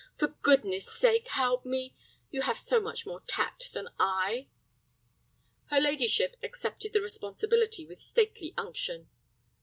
For goodness' sake, help me. You have so much more tact than I." Her ladyship accepted the responsibility with stately unction.